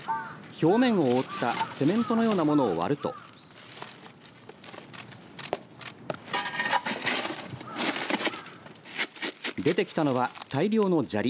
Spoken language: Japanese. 表面を覆ったセメントのようなものを割ると出てきたのは大量の砂利。